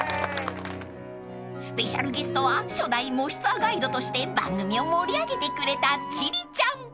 ［スペシャルゲストは初代『もしツア』ガイドとして番組を盛り上げてくれた千里ちゃん］